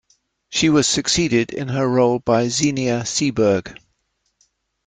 She was succeeded in her role by Xenia Seeberg.